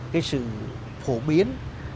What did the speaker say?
cái sự phổ biến